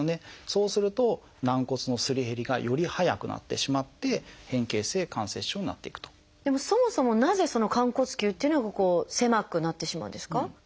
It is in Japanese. そうすると軟骨のすり減りがより早くなってしまって変形性関節症になっていくと。でもそもそもなぜその寛骨臼っていうのが狭くなってしまうんですか？